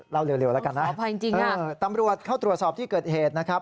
เล่าเร็วแล้วกันนะตำรวจเข้าตรวจสอบที่เกิดเหตุนะครับ